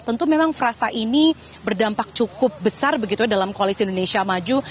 tentu memang frasa ini berdampak cukup besar begitu ya dalam koalisi indonesia maju